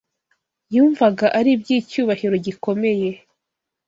Yumvaga ari iby’icyubahiro gikomeye